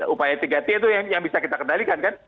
upaya tiga t itu yang bisa kita kendalikan kan